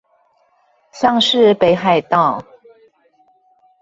像是北海道